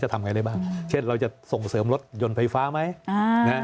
ทำไงได้บ้างเช่นเราจะส่งเสริมรถยนต์ไฟฟ้าไหม